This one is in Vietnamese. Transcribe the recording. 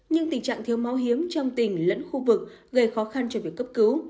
nhưng tình trạng thiếu máu hiếm trong tỉnh lẫn khu vực gây khó khăn cho việc cấp cứu